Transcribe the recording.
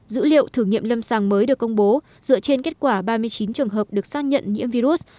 dữ liệu thử nghiệm lâm sàng mới được công bố dựa trên kết quả ba mươi chín trường hợp được xác nhận nhiễm virus